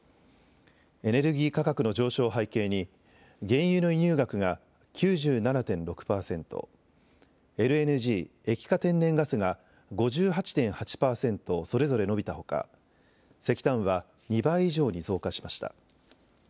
エネルギー価格の上昇を背景に原油の輸入額が９７．６％、ＬＮＧ・液化天然ガスが５８．８％それぞれ伸びたほか石炭は２倍以上に増加しました。